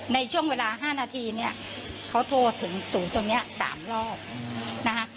ในช่วงเวลาห้านาทีเนี้ยเขาโทรถึงสู่ตรงเนี้ยสามรอบนะฮะ